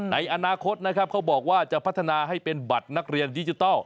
ในอนาคตนะครับเขาบอกว่าจะพัฒนาให้เป็นบัตรนักเรียนดิจิทัล